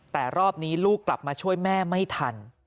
แต่รอบนี้ลูกกลับมาช่วยแม่ไม่ทัน